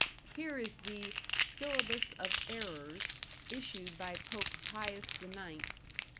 Here is the "Syllabus of Errors", issued by Pope Pius IX, Dec.